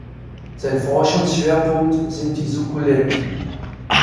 Sein Forschungsschwerpunkt sind die Sukkulenten.